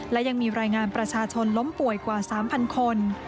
และยังมีรายงานประชาชนล้มป่วยกว่า๓๐๐คน